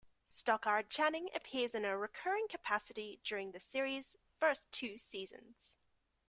Stockard Channing appears in a recurring capacity during the series first two seasons.